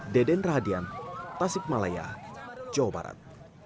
deden radian tasikmalaya jawa barat